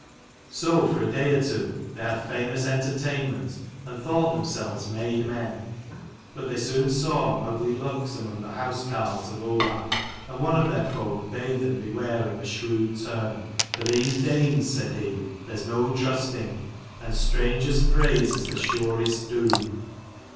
So for a day or two they had famous enter tainment, and thought themselves made men. But they soon saw ugly looks among the house carles of Olaf: and one of their folk bade them beware of a shrewd turn ;" for these Danes," said he, "there's no trusting; and stranger's praise is the surest doom."